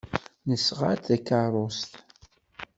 Nesɣa-d takeṛṛust.